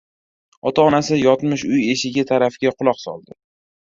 Ota-onasi yotmish uy eshigi tarafga quloq soldi.